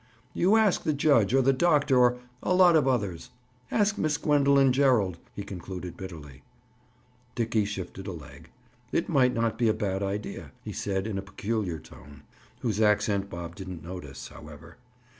"You ask the judge, or the doctor, or—a lot of others. Ask Miss Gwendoline Gerald," he concluded bitterly. Dickie shifted a leg. "It might not be a bad idea," he said in a peculiar tone, whose accent Bob didn't notice, however.